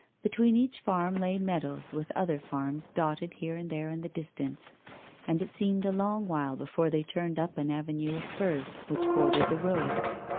Between each farm lay meadows with other farms dotted here and there in the distance, and it seemed a long while before they turned up an avenue of firs which bordered the road.